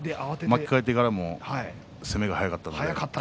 巻き替えてからも攻めが速かったです。